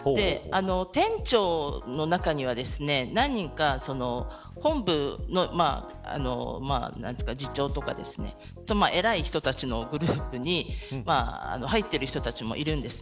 店長の中には、何人か本部の次長とか偉い人たちのグループに入っている人たちもいるんです。